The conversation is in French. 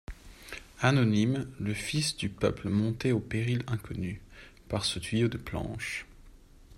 Anonyme, le fils du peuple montait au péril inconnu, par ce tuyau de planches.